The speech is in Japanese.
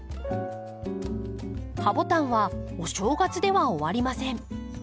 ハボタンはお正月では終わりません。